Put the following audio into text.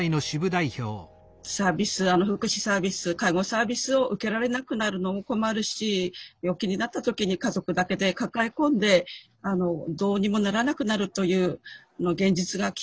サービス福祉サービス介護サービスを受けられなくなるのも困るし病気になった時に家族だけで抱え込んでどうにもならなくなるという現実がきっと目に見えるだろう。